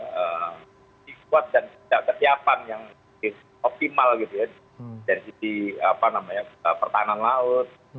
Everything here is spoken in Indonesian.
sisi kuat dan sisi ketiapan yang optimal gitu ya dari sisi apa namanya pertahanan laut